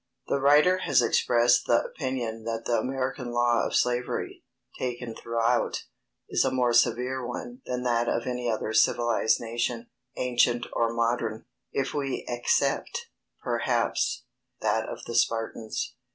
The writer has expressed the opinion that the American law of slavery, taken throughout, is a more severe one than that of any other civilized nation, ancient or modern, if we except, perhaps, that of the Spartans.